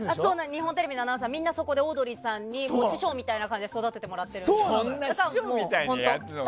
日本テレビのアナウンサーはみんな、そこでオードリーさんに師匠みたいな感じで育ててもらってるんですよ。